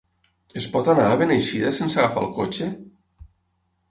Es pot anar a Beneixida sense agafar el cotxe?